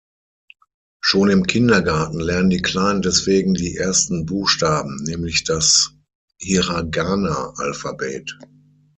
Schon im Kindergarten lernen die Kleinen deswegen die ersten Buchstaben, nämlich das Hiragana-Alphabet.